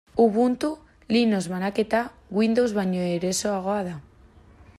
Ubuntu, Linux banaketa, Windows baino erosoagoa da.